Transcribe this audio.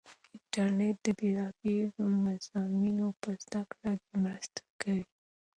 انټرنیټ د بېلابېلو مضمونو په زده کړه کې مرسته کوي.